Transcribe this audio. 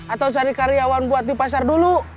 atau cari karyawan buat di pasar dulu